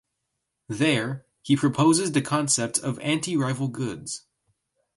There he proposes the concept of anti-rival goods.